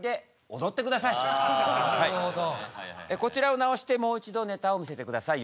こちらをなおしてもう一度ネタを見せて下さい。